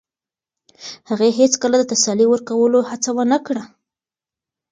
هغې هیڅکله د تسلي ورکولو هڅه ونه کړه.